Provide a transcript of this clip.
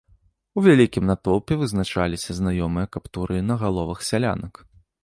У вялікім натоўпе вызначаліся знаёмыя каптуры на галовах сялянак.